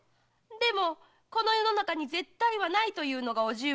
でもこの世の中に「絶対」はないというのが叔父上の持論でしょう？